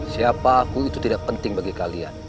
siapa aku itu tidak penting bagi kalian